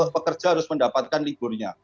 pekerja harus mendapatkan liburnya